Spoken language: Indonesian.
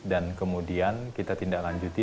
dan kemudian kita tindak lanjuti